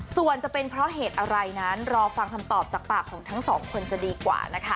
ส่วนจะเป็นเพราะเหตุอะไรนั้นรอฟังคำตอบจากปากของทั้งสองคนจะดีกว่านะคะ